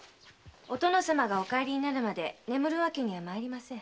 お殿様がお帰りになるまで眠るわけにはまいりません。